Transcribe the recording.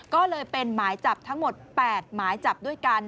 ก็เลยเป็นหมายจับทั้งหมด๘หมายจับด้วยกัน